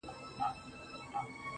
دا دی د ژوند و آخري نفس ته ودرېدم.